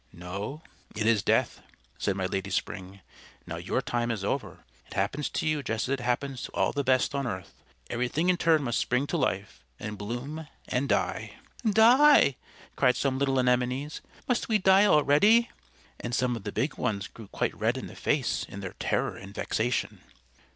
"No; it is Death," said my Lady Spring. "Now your time is over. It happens to you just as it happens to all that is best on earth. Everything in turn must spring to life, and bloom, and die." "Die?" cried some little Anemones. "Must we die already?" And some of the big ones grew quite red in the face in their terror and vexation.